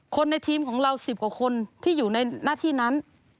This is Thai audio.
ในทีมของเรา๑๐กว่าคนที่อยู่ในหน้าที่นั้น